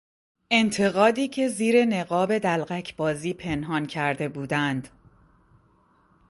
انتقادی که زیر نقاب دلقکبازی پنهان کرده بودند